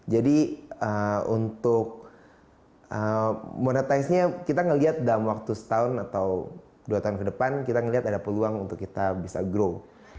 jadi untuk monetisernya kita melihat dalam waktu setahun atau dua tahun ke depan kita melihat ada peluang untuk kita bisa grow